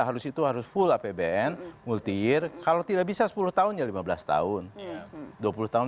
kalau kita sudah full pbn multi year kalau tidak bisa sepuluh tahun ya lima belas tahun dua puluh tahun